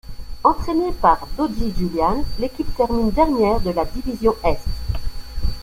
Entraînée par Doggie Julian, l'équipe termine dernière de la Division Est.